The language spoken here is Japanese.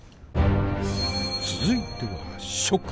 続いては蜀。